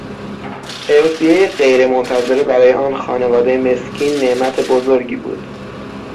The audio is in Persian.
ارثیهی غیرمنتظره برای آن خانواده مسکین نعمت بزرگی بود.